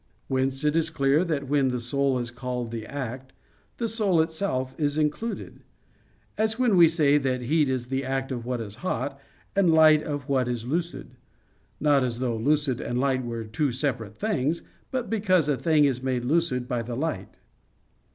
Whence it is clear that when the soul is called the act, the soul itself is included; as when we say that heat is the act of what is hot, and light of what is lucid; not as though lucid and light were two separate things, but because a thing is made lucid by the light.